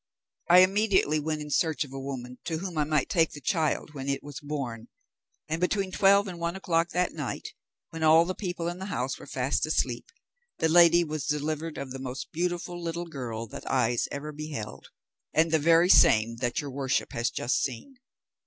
I immediately went in search of a woman to whom I might take the child when it was born; and, between twelve and one o'clock that night, when all the people in the house were fast asleep, the lady was delivered of the most beautiful little girl that eyes ever beheld, and the very same that your worship has just seen.